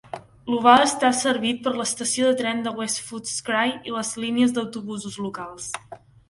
L'oval està servit per l'estació de tren de West Footscray i les línies d'autobusos locals.